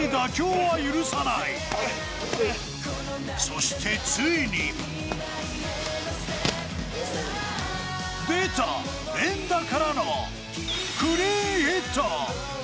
そしてついに出た、連打からのクリーンヒット。